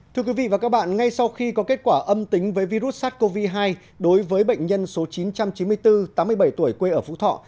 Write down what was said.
thưa quý vị và các bạn ngay sau khi có kết quả âm tính với virus sars cov hai đối với bệnh nhân số chín trăm chín mươi bốn tám mươi bảy tuổi quê ở phú thọ